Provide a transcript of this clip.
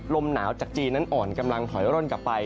ลมหนาวจากจีนนั้นอ่อนกำลังถอยร่นกลับไป